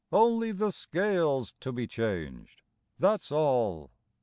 Only the scales to be changed, that's all."